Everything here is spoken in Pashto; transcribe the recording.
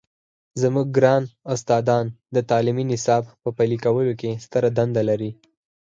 زموږ ګران استادان د تعلیمي نصاب په پلي کولو کې ستره دنده لري.